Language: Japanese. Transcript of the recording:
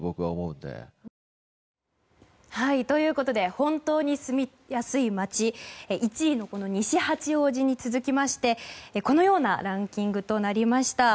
本当に住みやすい街１位の西八王子に続きましてこのようなランキングとなりました。